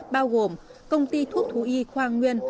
bao gồm công ty thuốc thú y khoa nguyên